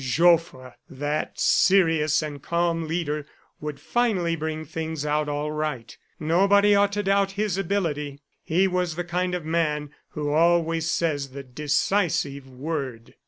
Joffre! ... That serious and calm leader would finally bring things out all right. Nobody ought to doubt his ability; he was the kind of man who always says the decisive word.